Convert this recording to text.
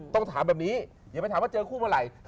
ต้องถามแบบนี้อย่าไปถามว่าเจอคู่เมื่อไหร่